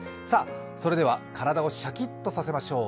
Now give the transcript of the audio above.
それでは体をシャキッとさせましょう。